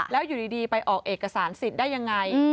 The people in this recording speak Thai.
แล้วอยู่ดีไปออกเอกสารสิทธิ์ได้ยังไง